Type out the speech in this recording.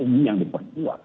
ini yang diperjuang